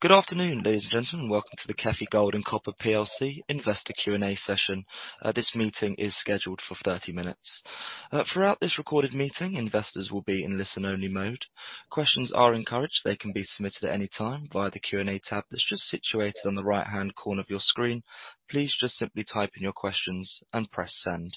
Good afternoon, ladies and gentlemen. Welcome to the KEFI Gold and Copper plc Investor Q&A session. This meeting is scheduled for 30 minutes. Throughout this recorded meeting, investors will be in listen-only mode. Questions are encouraged. They can be submitted at any time via the Q&A tab that's just situated on the right-hand corner of your screen. Please just simply type in your questions and press Send.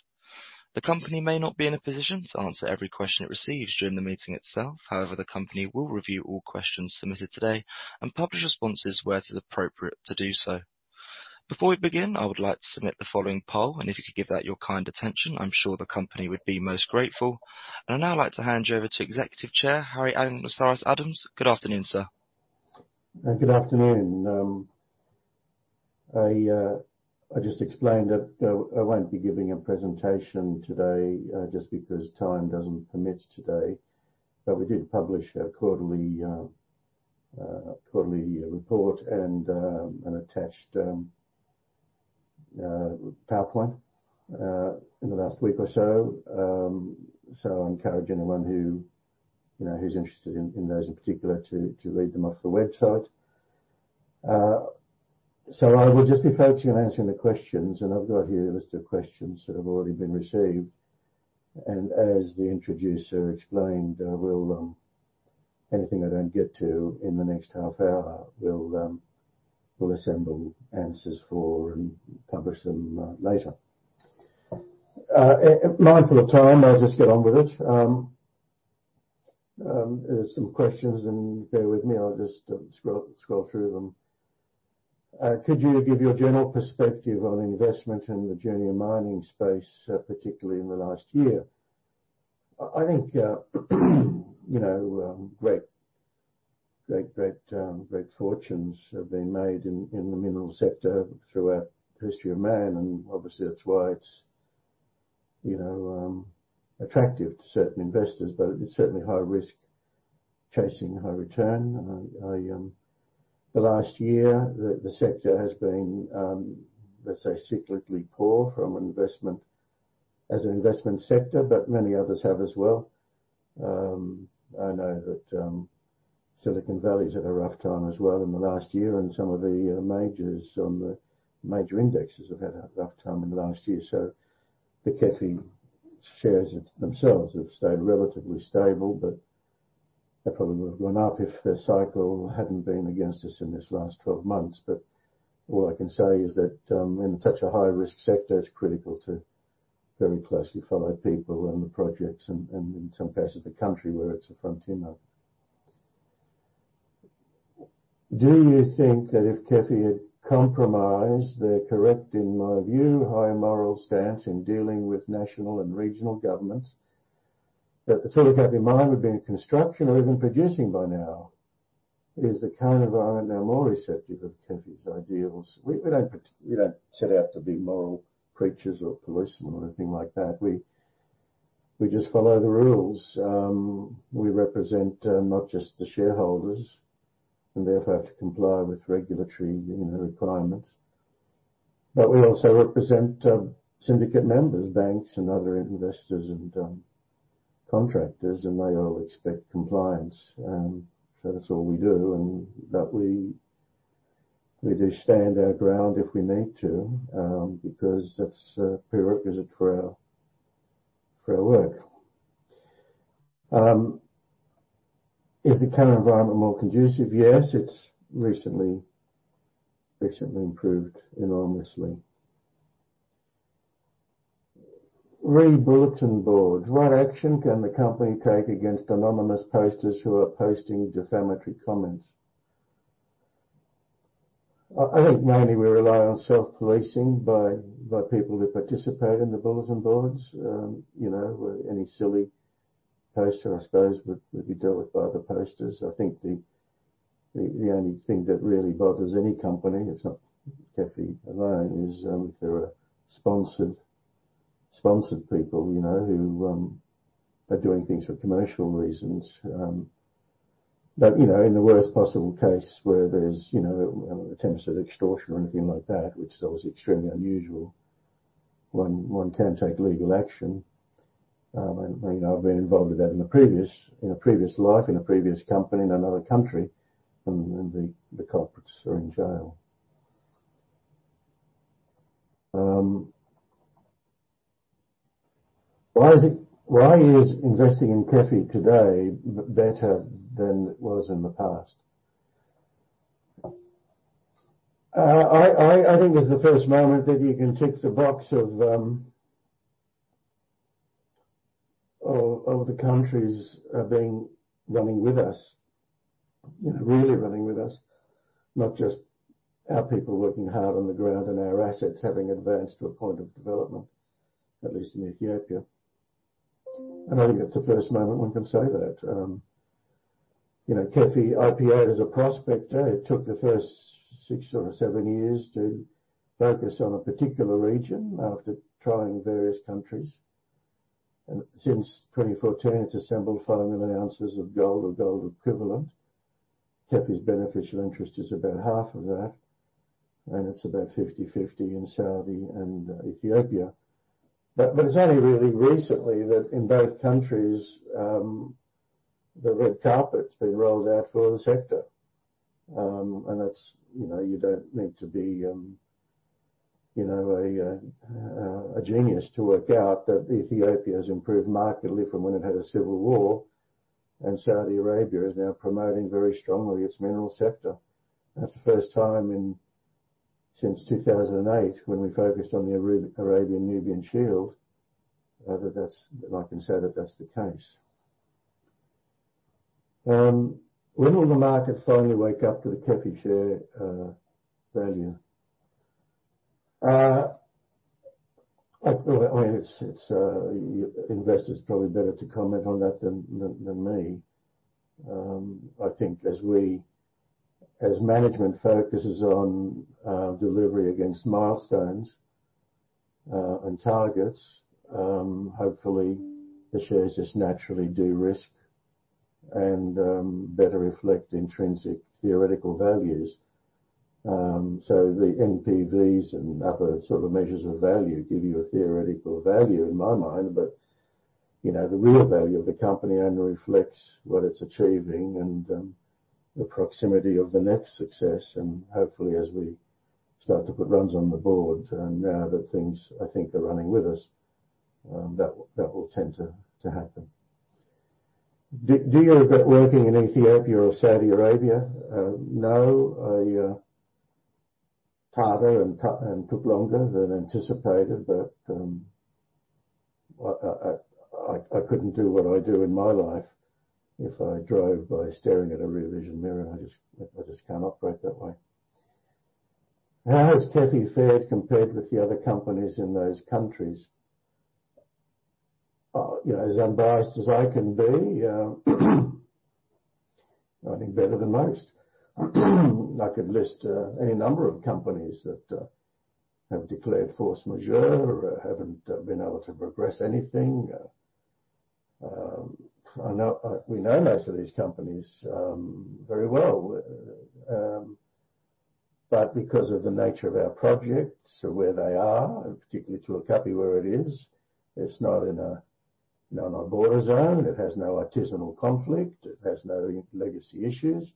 The company may not be in a position to answer every question it receives during the meeting itself. However, the company will review all questions submitted today and publish responses where it is appropriate to do so. Before we begin, I would like to submit the following poll, and if you could give that your kind attention, I'm sure the company would be most grateful. I'd now like to hand you over to Executive Chairman Harry Anagnostaras-Adams. Good afternoon, sir. Good afternoon. I just explained that I won't be giving a presentation today just because time doesn't permit today. We did publish a quarterly report and an attached PowerPoint in the last week or so. I encourage anyone who, you know, who's interested in those in particular to read them off the website. I will just be focusing on answering the questions, and I've got here a list of questions that have already been received. As the introducer explained, we'll anything I don't get to in the next half hour, we'll assemble answers for and publish them later. Mindful of time, I'll just get on with it. There's some questions and bear with me. I'll just scroll through them. Could you give your general perspective on investment in the junior mining space, particularly in the last year? I think you know great fortunes have been made in the mineral sector throughout the history of man, and obviously that's why it's you know attractive to certain investors, but it is certainly high risk chasing high return. The last year the sector has been let's say cyclically poor for investment as an investment sector, but many others have as well. I know that Silicon Valley's had a rough time as well in the last year, and some of the majors on the major indexes have had a rough time in the last year. The KEFI shares themselves have stayed relatively stable, but they probably would have gone up if the cycle hadn't been against us in this last 12 months. All I can say is that, in such a high-risk sector, it's critical to very closely follow people and the projects and in some cases, the country where it's a frontier market. Do you think that if KEFI had compromised, their correct, in my view, high moral stance in dealing with national and regional governments, that the Tulu Kapi mine would be in construction or even producing by now? Is the current environment now more receptive of KEFI's ideals? We don't set out to be moral preachers or policemen or anything like that. We just follow the rules. We represent not just the shareholders, and therefore have to comply with regulatory, you know, requirements. We also represent syndicate members, banks and other investors and contractors, and they all expect compliance. That's all we do. We do stand our ground if we need to because that's a prerequisite for our work. Is the current environment more conducive? Yes, it's recently improved enormously. Re bulletin boards, what action can the company take against anonymous posters who are posting defamatory comments? I think mainly we rely on self-policing by people who participate in the bulletin boards. You know, any silly poster, I suppose, would be dealt with by other posters. I think the only thing that really bothers any company, it's not KEFI alone, is if there are sponsored people, you know, who are doing things for commercial reasons. You know, in the worst possible case where there's you know attempts at extortion or anything like that, which is always extremely unusual, one can take legal action. I mean, I've been involved with that in a previous life, in a previous company in another country, and the culprits are in jail. Why is investing in KEFI today better than it was in the past? I think it's the first moment that you can tick the box of the countries being running with us. You know, really running with us, not just our people working hard on the ground and our assets having advanced to a point of development, at least in Ethiopia. I think it's the first moment one can say that. You know, KEFI IPO'd as a prospector. It took the first six or seven years to focus on a particular region after trying various countries. Since 2014, it's assembled five million ounces of gold or gold equivalent. KEFI's beneficial interest is about half of that. It's about 50/50 in Saudi and Ethiopia. But it's only really recently that in both countries, the red carpet's been rolled out for the sector. That's, you know, you don't need to be, you know, a genius to work out that Ethiopia has improved markedly from when it had a civil war, and Saudi Arabia is now promoting very strongly its mineral sector. That's the first time since 2008 when we focused on the Arabian-Nubian Shield. I can say that's the case. When will the market finally wake up to the Kapi share value? Well, I mean, it's investors probably better to comment on that than me. I think as we as management focuses on delivery against milestones and targets, hopefully the shares just naturally de-risk and better reflect intrinsic theoretical values. The NPVs and other sort of measures of value give you a theoretical value in my mind. You know, the real value of the company only reflects what it's achieving and the proximity of the next success, and hopefully as we start to put runs on the board, and now that things, I think, are running with us, that will tend to happen. Do you regret working in Ethiopia or Saudi Arabia? No. It was harder and took longer than anticipated, but I couldn't do what I do in my life if I drove by staring at a rear vision mirror. I just can't operate that way. How has Kapi fared compared with the other companies in those countries? You know, as unbiased as I can be, I think better than most. I could list any number of companies that have declared force majeure or haven't been able to progress anything. We know most of these companies very well. Because of the nature of our projects or where they are, and particularly Tulu Kapi where it is, it's not in a border zone. It has no artisanal conflict. It has no legacy issues.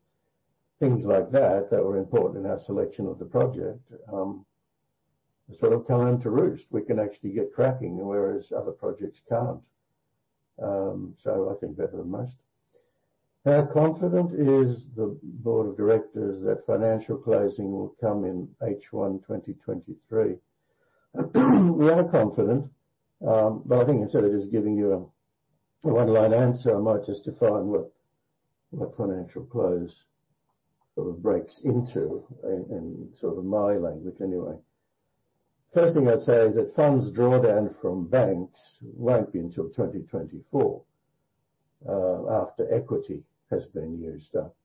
Things like that were important in our selection of the project, sort of come home to roost. We can actually get cracking, whereas other projects can't. I think better than most. How confident is the board of directors that financial closing will come in H1 2023? We are confident, but I think instead of just giving you a one-line answer, I might just define what financial close sort of breaks into, in sort of my language anyway. First thing I'd say is that funds drawdown from banks won't be until 2024, after equity has been used up.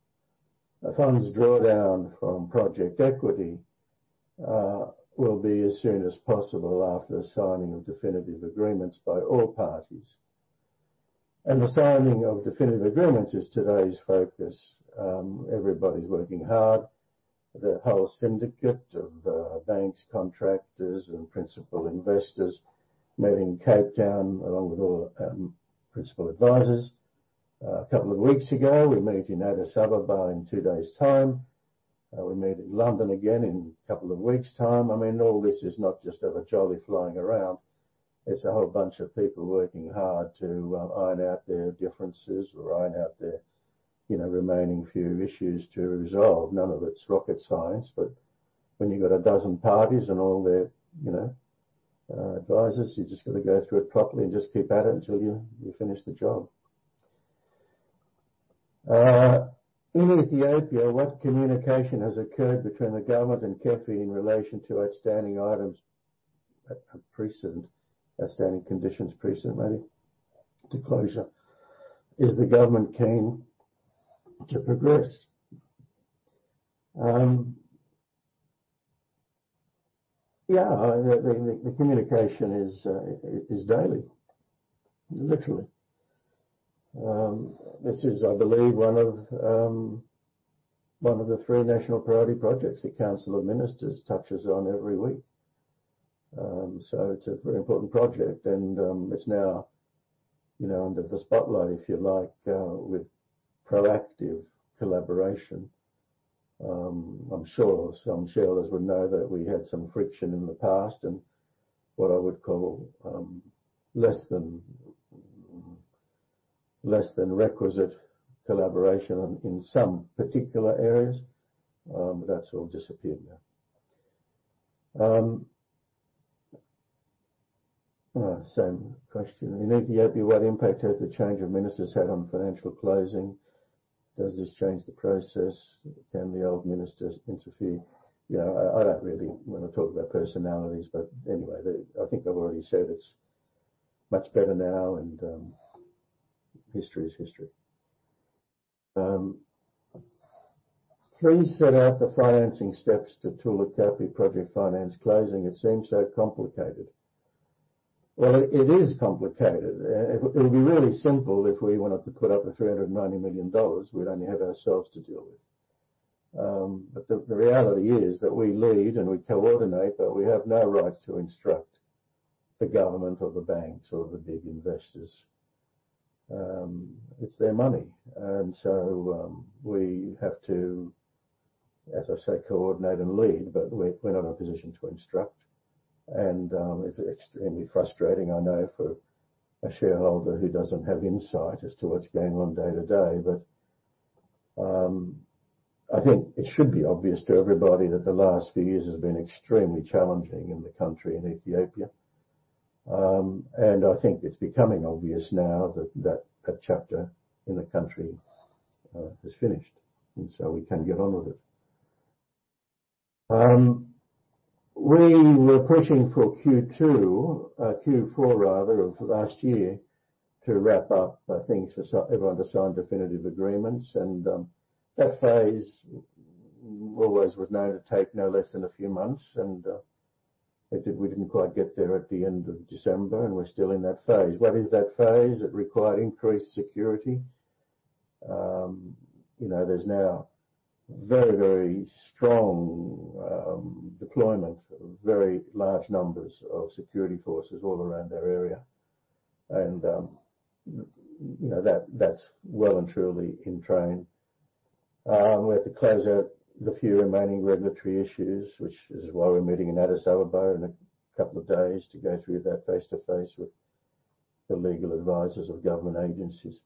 Funds drawdown from project equity will be as soon as possible after the signing of definitive agreements by all parties. The signing of definitive agreements is today's focus. Everybody's working hard. The whole syndicate of banks, contractors and principal investors met in Cape Town, along with all principal advisors, a couple of weeks ago. We meet in Addis Ababa in two days' time. We meet in London again in a couple of weeks' time. I mean, all this is not just have a jolly flying around. It's a whole bunch of people working hard to iron out their differences or iron out their, you know, remaining few issues to resolve. None of it's rocket science, but when you've got a dozen parties and all their, you know, advisors, you just gotta go through it properly and just keep at it until you finish the job. In Ethiopia, what communication has occurred between the government and Tulu Kapi in relation to outstanding items, precedent, outstanding conditions precedent ready to closure? Is the government keen to progress? Yeah, the communication is daily, literally. This is, I believe, one of the three national priority projects the Council of Ministers touches on every week. It's a very important project, and it's now, you know, under the spotlight, if you like, with proactive collaboration. I'm sure some shareholders would know that we had some friction in the past and what I would call less than requisite collaboration in some particular areas. That's all disappeared now. Same question. In Ethiopia, what impact has the change of ministers had on financial closing? Does this change the process? Can the old ministers interfere? You know, I don't really wanna talk about personalities. Anyway, I think I've already said it's much better now and history is history. Please set out the financing steps to Tulu Kapi project finance closing. It seems so complicated. Well, it is complicated. It would be really simple if we wanted to put up $390 million, we'd only have ourselves to deal with. The reality is that we lead and we coordinate, but we have no right to instruct the government or the banks or the big investors. It's their money. We have to, as I say, coordinate and lead, but we're not in a position to instruct. It's extremely frustrating, I know, for a shareholder who doesn't have insight as to what's going on day to day. I think it should be obvious to everybody that the last few years has been extremely challenging in the country, in Ethiopia. I think it's becoming obvious now that that chapter in the country is finished, and so we can get on with it. We were pushing for Q2, Q4 rather, of last year to wrap up things for everyone to sign definitive agreements. That phase always was known to take no less than a few months. It did. We didn't quite get there at the end of December, and we're still in that phase. What is that phase? It required increased security. You know, there's now very, very strong deployment of very large numbers of security forces all around our area. You know, that's well and truly in train. We have to close out the few remaining regulatory issues, which is why we're meeting in Addis Ababa in a couple of days to go through that face-to-face with the legal advisors of government agencies.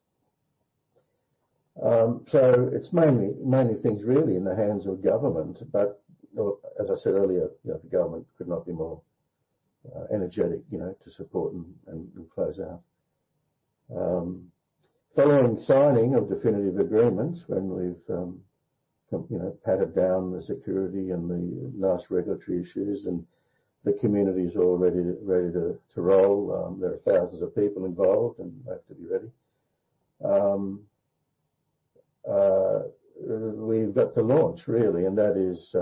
It's mainly things really in the hands of government. As I said earlier, you know, the government could not be more energetic, you know, to support and close out. Following signing of definitive agreements when we've, you know, patted down the security and the last regulatory issues and the community is all ready to roll. There are thousands of people involved and have to be ready. We've got to launch really, and that is,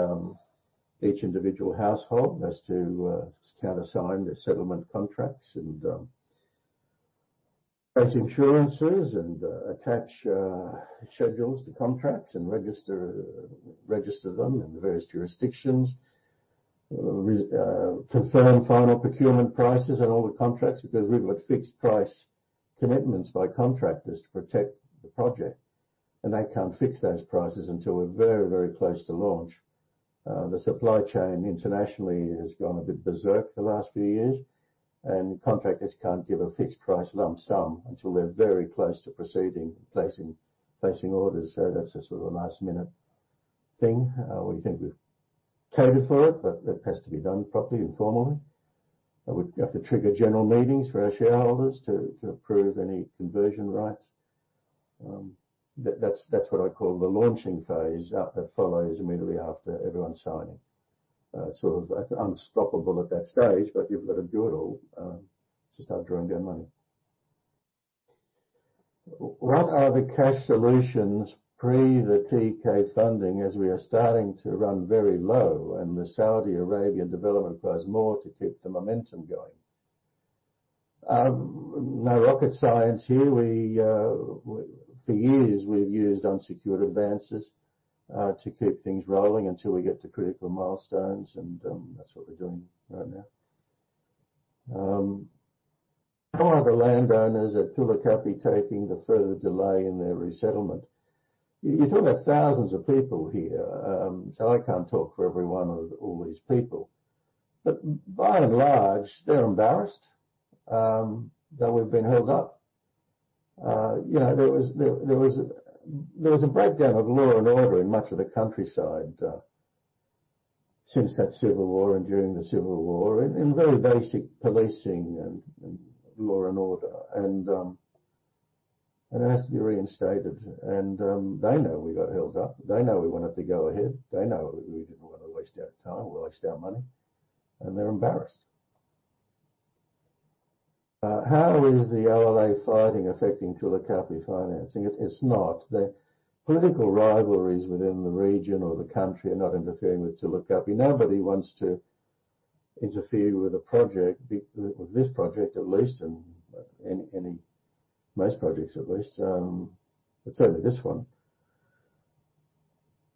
each individual household has to counter-sign the settlement contracts and raise insurances and attach schedules to contracts and register them in the various jurisdictions. Confirm final procurement prices and all the contracts because we've got fixed price commitments by contractors to protect the project, and they can't fix those prices until we're very, very close to launch. The supply chain internationally has gone a bit berserk the last few years, and contractors can't give a fixed price lump sum until they're very close to proceeding, placing orders. That's a sort of a last-minute thing. We think we've catered for it, but it has to be done properly and formally. We have to trigger general meetings for our shareholders to approve any conversion rights. That's what I call the launching phase out that follows immediately after everyone's signing. Sort of unstoppable at that stage, but you've got to do it all to start drawing down money. What are the cash solutions pre the TK funding as we are starting to run very low and the Saudi Arabian development requires more to keep the momentum going? No rocket science here. We, for years, we've used unsecured advances to keep things rolling until we get to critical milestones, and that's what we're doing right now. How are the landowners at Tulu Kapi taking the further delay in their resettlement? You're talking about thousands of people here, so I can't talk for every one of all these people. By and large, they're embarrassed that we've been held up. You know, there was a breakdown of law and order in much of the countryside, since that civil war and during the civil war in very basic policing and law and order. It has to be reinstated. They know we got held up. They know we wanted to go ahead. They know we didn't want to waste our time, our money, and they're embarrassed. How is the OLA fighting affecting Tulu Kapi financing? It's not. The political rivalries within the region or the country are not interfering with Tulu Kapi. Nobody wants to interfere with the project, with this project at least, and most projects at least, but certainly this one.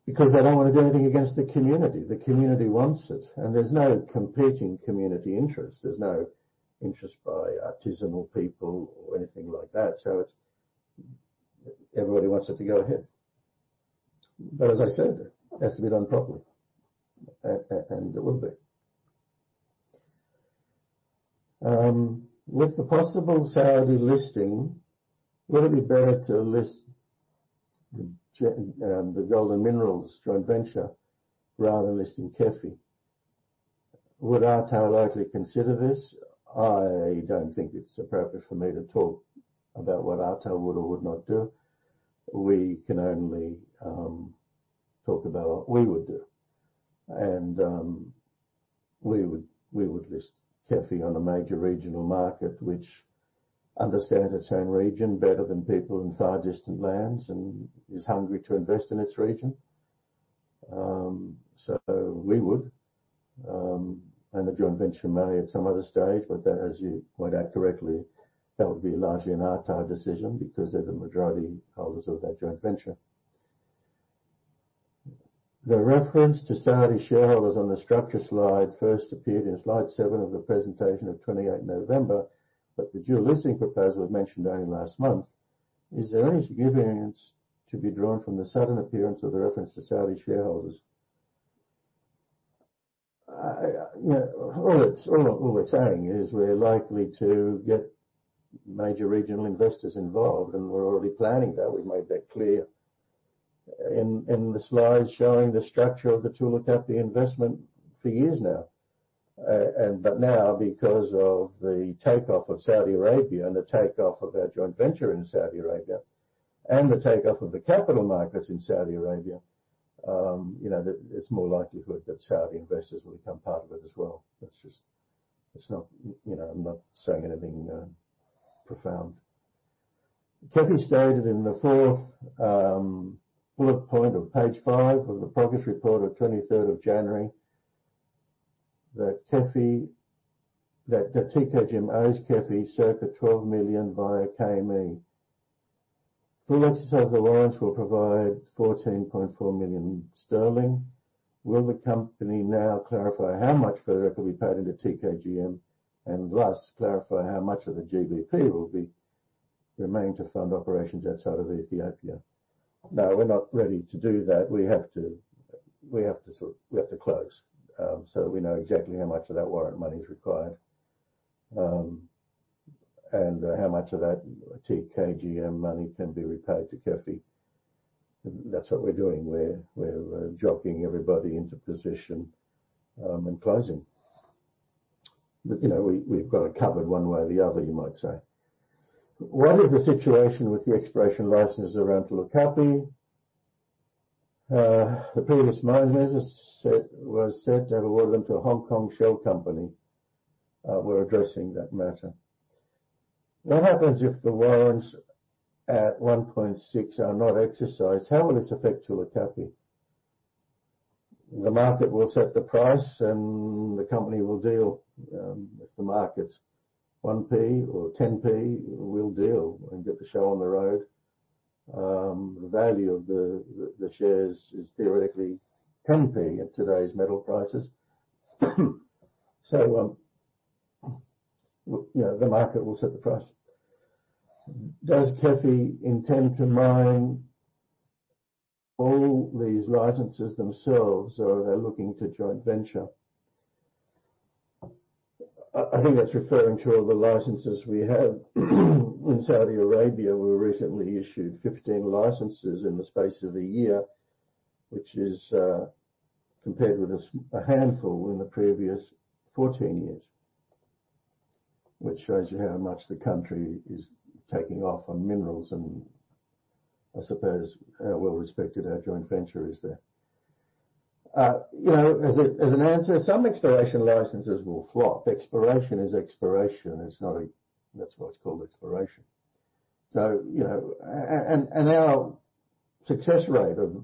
Because they don't wanna do anything against the community. The community wants it, and there's no competing community interest. There's no interest by artisanal people or anything like that. Everybody wants it to go ahead. As I said, it has to be done properly. It will be. With the possible Saudi listing, would it be better to list the Gold and Minerals joint venture rather than listing KEFI? Would ARTAR likely consider this? I don't think it's appropriate for me to talk about what ARTAR would or would not do. We can only talk about what we would do. We would list KEFI on a major regional market which understands its own region better than people in far distant lands and is hungry to invest in its region. We would and the joint venture may at some other stage, but that, as you point out correctly, that would be largely an ARTAR decision because they're the majority holders of that joint venture. The reference to Saudi shareholders on the structure slide first appeared in slide seven of the presentation of 28 November, but the dual listing proposal was mentioned only last month. Is there any significance to be drawn from the sudden appearance of the reference to Saudi shareholders? You know, all it's saying is we're likely to get major regional investors involved, and we're already planning that. We made that clear in the slides showing the structure of the Tulu Kapi investment for years now. Because of the take-off of Saudi Arabia and the take-off of our joint venture in Saudi Arabia, and the take-off of the capital markets in Saudi Arabia, you know, that it's more likelihood that Saudi investors will become part of it as well. That's just, it's not you know, I'm not saying anything profound. KEFI stated in the fourth bullet point of page five of the progress report of 23rd of January that TKGM owes KEFI circa 12 million via KME. Full exercise of the warrants will provide 14.4 million sterling. Will the company now clarify how much further can be paid into TKGM, and thus clarify how much of the GBP will remain to fund operations outside of Ethiopia? No, we're not ready to do that. We have to sort of. We have to close so that we know exactly how much of that warrant money is required. And how much of that TKGM money can be repaid to KEFI. That's what we're doing. We're jockeying everybody into position and closing. You know, we've got it covered one way or the other, you might say. What is the situation with the exploration licenses around Tulu Kapi? The previous mining business was said to have awarded them to a Hong Kong shell company. We're addressing that matter. What happens if the warrants at 1.6 are not exercised? How will this affect Tulu Kapi? The market will set the price and the company will deal. If the market's 1p or 10p, we'll deal and get the show on the road. The value of the shares is theoretically 10p at today's metal prices. You know, the market will set the price. Does KEFI intend to mine all these licenses themselves or are they looking to joint venture? I think that's referring to all the licenses we have. In Saudi Arabia, we recently issued 15 licenses in the space of a year, which is compared with a handful in the previous 14 years, which shows you how much the country is taking off on minerals and I suppose how well-respected our joint venture is there. You know, as an answer, some exploration licenses will flop. Exploration is exploration. It's not a. That's why it's called exploration. You know, and our success rate of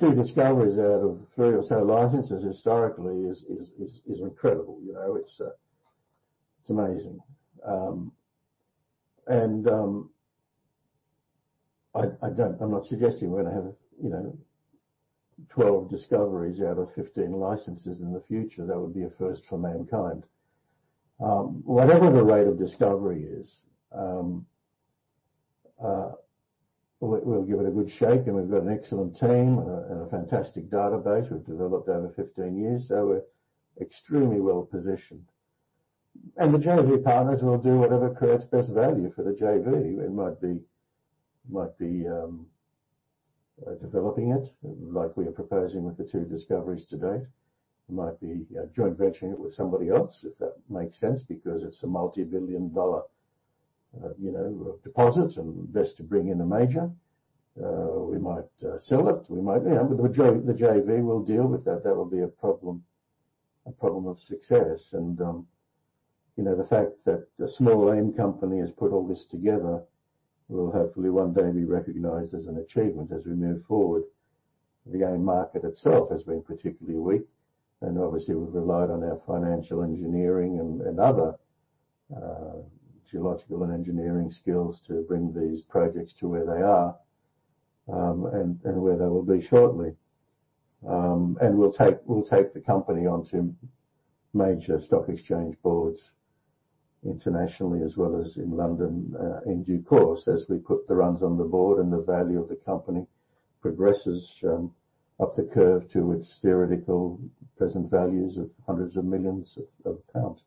two discoveries out of three or so licenses historically is incredible. You know, it's amazing. And I'm not suggesting we're gonna have, you know, 12 discoveries out of 15 licenses in the future. That would be a first for mankind. Whatever the rate of discovery is, we'll give it a good shake, and we've got an excellent team and a fantastic database we've developed over 15 years. We're extremely well-positioned. The JV partners will do whatever creates best value for the JV. It might be developing it like we are proposing with the two discoveries to date. It might be joint venturing it with somebody else if that makes sense because it's a multi-billion-dollar, you know, deposit and best to bring in a major. We might sell it. You know, the JV will deal with that. That will be a problem of success. You know, the fact that a small AIM company has put all this together will hopefully one day be recognized as an achievement as we move forward. The AIM market itself has been particularly weak and obviously we've relied on our financial engineering and other geological and engineering skills to bring these projects to where they are and where they will be shortly. We'll take the company onto major stock exchange boards internationally as well as in London in due course as we put the runs on the board and the value of the company progresses up the curve to its theoretical present values of hundreds of millions of pounds.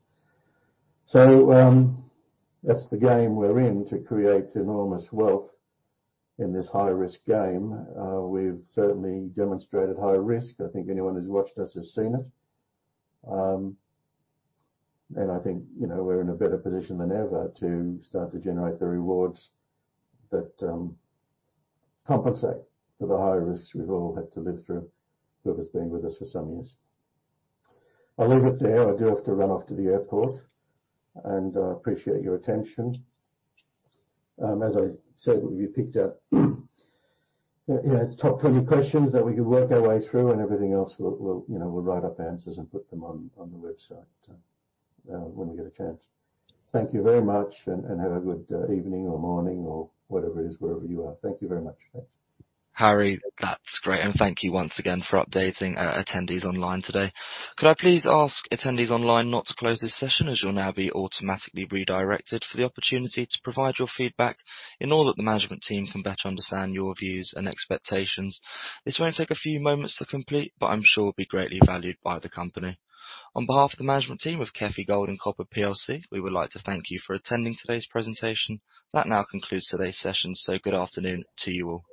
That's the game we're in to create enormous wealth in this high-risk game. We've certainly demonstrated high risk. I think anyone who's watched us has seen it. I think, you know, we're in a better position than ever to start to generate the rewards that compensate for the high risks we've all had to live through, who have been with us for some years. I'll leave it there. I do have to run off to the airport, and I appreciate your attention. As I said, we picked up, you know, top 20 questions that we could work our way through, and everything else we'll write up answers and put them on the website when we get a chance. Thank you very much and have a good evening or morning or whatever it is, wherever you are. Thank you very much. Thanks. Harry, that's great. Thank you once again for updating our attendees online today. Could I please ask attendees online not to close this session, as you'll now be automatically redirected for the opportunity to provide your feedback so that the management team can better understand your views and expectations. This won't take a few moments to complete, but I'm sure will be greatly valued by the company. On behalf of the management team of KEFI Gold and Copper plc, we would like to thank you for attending today's presentation. That now concludes today's session. Good afternoon to you all.